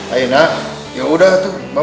ayo nak yaudah tuh